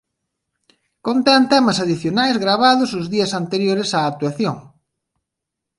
Contén temas adicionais gravados os días anteriores á actuación.